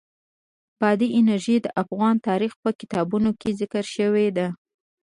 بادي انرژي د افغان تاریخ په کتابونو کې ذکر شوی دي.